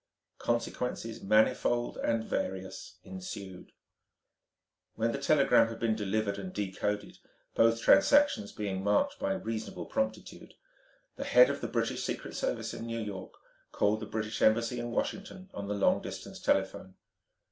Consequences manifold and various ensued. When the telegram had been delivered and decoded both transactions being marked by reasonable promptitude the head of the British Secret Service in New York called the British Embassy in Washington on the long distance telephone.